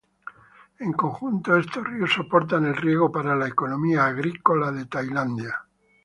En conjunto, estos ríos soportan el riego para la economía agrícola de Tailandia.